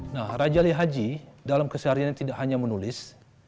nah raja ali haji dalam kesehariannya tidak hanya menulis